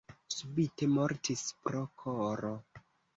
Subite mortis pro koro.